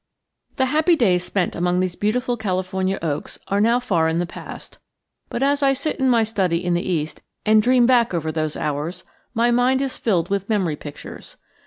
The happy days spent among these beautiful California oaks are now far in the past, but as I sit in my study in the East and dream back over those hours my mind is filled with memory pictures.